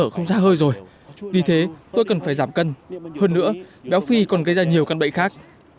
tôi đã thở không ra hơi rồi vì thế tôi cần phải giảm cân hơn nữa béo phi còn gây ra nhiều căn bệnh khác